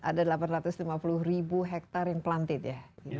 ada delapan ratus lima puluh ribu hektare yang planted ya